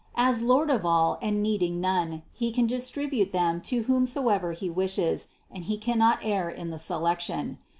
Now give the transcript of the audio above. As Lord of all and needing none, He can distribute them to whomsoever He wishes, and He cannot err in the selection.